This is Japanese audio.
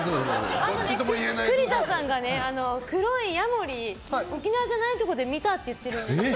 あと栗田さんが黒いヤモリ沖縄じゃないところで見たって言ってるんですけど。